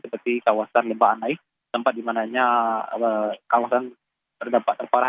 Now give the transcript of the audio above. seperti kawasan lembaan naik tempat di mana kawasan terdampak terparah